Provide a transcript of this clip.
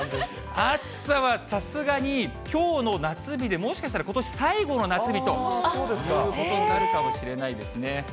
暑さはさすがにきょうの夏日で、もしかしたら、ことし最後の夏日ということになるかもしれないですね。